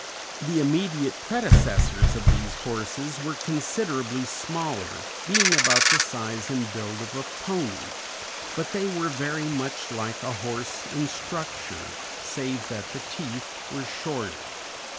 The immediate predecessors of these horses were considerably smaller, being about the size and build of a pony, but they were very much like a horse in structure, save that the teeth were shorter.